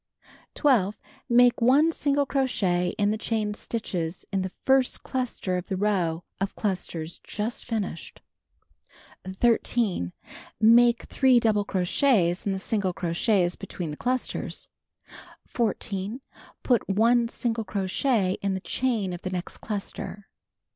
The Magic Paper 249 12. Make 1 single crochet in the chain stitches in the first cluster of the row of clusters just finished. 13. Make 3 double crochets in the single crochets between the clusters. 14. Put 1 single crochet in the chain of the next cluster.